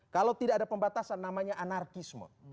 kalau tidak ada pembatasan namanya anarkisme